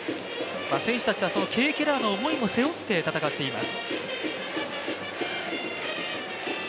選手たちはその選手の思いも背負って戦っています。